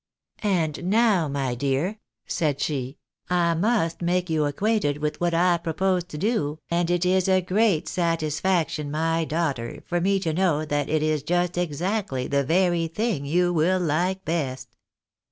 " And now, my dear," said she, " I must make you acquainted with what I propose to do, and it is a great satisfaction, my daughter, for me to know that it is just exactly the very thing you will like best.